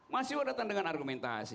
masih lu datang dengan argumentasi